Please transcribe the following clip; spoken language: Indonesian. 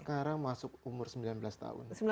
sekarang masuk umur sembilan belas tahun